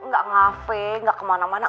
gak cafe gak kemana mana